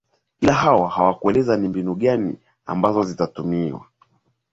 li hao hawakueleza ni mbinu gani ambazo zitatumiwa